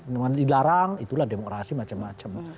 memang dilarang itulah demokrasi macam macam